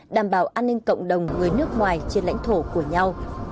đảm bảo an ninh cộng đồng người nước ngoài trên lãnh thổ của nhau